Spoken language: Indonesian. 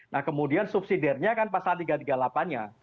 nah kemudian subsidiarnya kan pasal tiga ratus tiga puluh delapan nya